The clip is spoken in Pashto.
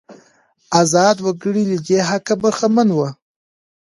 ازاد وګړي له دې حقه برخمن وو.